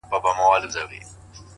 • ستا خو صرف خندا غواړم چي تا غواړم؛